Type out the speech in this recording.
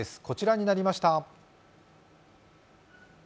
こちらになりました。